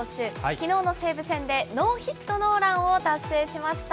きのうの西武戦で、ノーヒットノーランを達成しました。